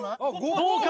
どうか？